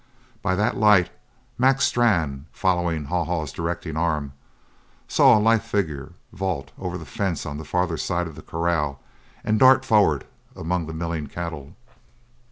By that light, Mac Strann, following Haw Haw's directing arm, saw a lithe figure vault over the fence on the farther side of the corral and dart forward among the milling cattle.